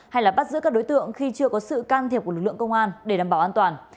hay là bắt giữ các đối tượng khi chưa có sự can thiệp của lực lượng công an để đảm bảo an toàn